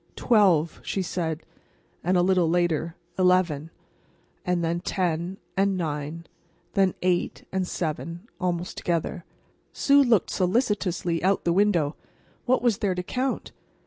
"Twelve," she said, and a little later "eleven;" and then "ten," and "nine;" and then "eight" and "seven," almost together. Sue looked solicitously out the window. What was there to count?